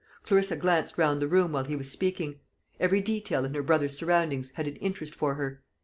Clarissa glanced round the room while he was speaking. Every detail in her brother's surroundings had an interest for her.